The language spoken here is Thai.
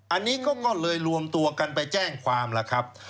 อันนี้ก็เลยรวมตัวกันไปแจ้งความล่ะครับ